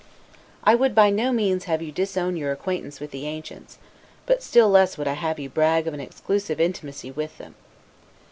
I would by no means have you disown your acquaintance with the ancients: but still less would I have you brag of an exclusive intimacy with them.